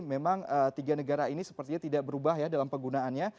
memang tiga negara ini sepertinya tidak berubah ya dalam penggunaannya